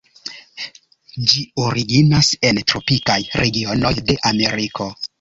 Ĝi originas en tropikaj regionoj de Ameriko.